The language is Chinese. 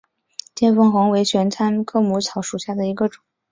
见风红为玄参科母草属下的一个种。